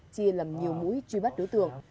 chia lầm nhiều mũi truy bắt đối tượng